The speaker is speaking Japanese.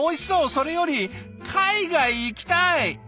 それより海外行きたい！